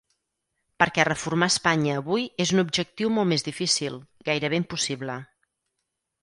Perquè reformar Espanya avui és un objectiu molt més difícil, gairebé impossible.